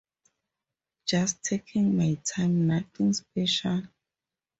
Just taking my time, nothing special.